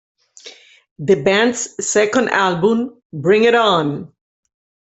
The band's second album, Bring It On!